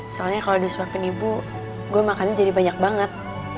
soalnya kalau disuapin ibu gue makannya jadi banyak banget